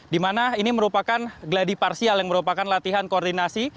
di mana ini merupakan gladi parsial yang merupakan latihan koordinasi